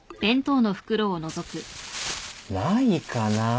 ないかな？